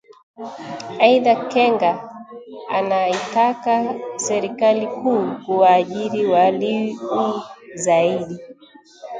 "Aidha Kenga anaitaka serikali kuu kuwaajiri waliu zaidi